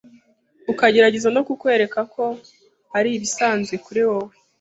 ukagerageza no kumwereka ko ari ibisanzwe kuri wowe